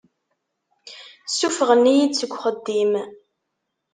Ssufɣen-iyi-d seg uxeddim.